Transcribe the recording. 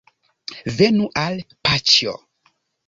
Venu al paĉjo